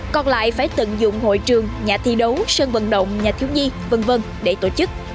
còn lại phải tận dụng hội trường nhà thi đấu sân vận động nhà thiếu nhi v v để tổ chức